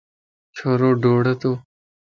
ڇورو ڊوڙتو